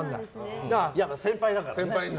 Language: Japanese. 先輩だから。